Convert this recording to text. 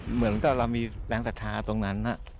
เหมือนกับเรามีแรงศรัทธาตรงนั้น